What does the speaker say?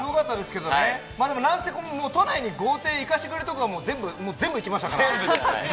なんせ都内に豪邸いかしてくれるところは全部行きましたから。